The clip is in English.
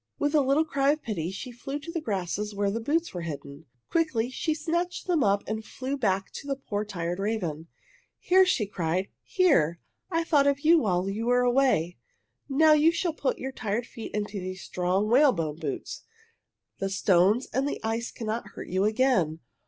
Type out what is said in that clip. With a little cry of pity she flew to the grasses where the boots were hidden. Quickly she snatched them up and flew back to the poor tired raven. "Here," she cried, "here! I thought of you while you were away. Now you shall put your tired feet into these strong whale bone boots. The stones and the ice cannot hurt you again."